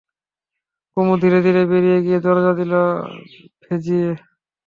কুমু ধীরে ধীরে বেরিয়ে গিয়ে দরজা দিল ভেজিয়ে।